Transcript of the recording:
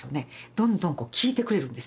どんどん聞いてくれるんですよ